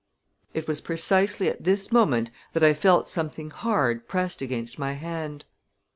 It was precisely at this moment that I felt something hard pressed against my hand.